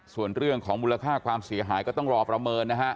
ส่วนเรื่องของมูลค่าความเสียหายก็ต้องรอประเมินนะฮะ